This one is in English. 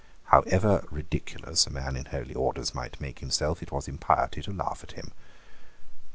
However ridiculous a man in holy orders might make himself, it was impiety to laugh at him.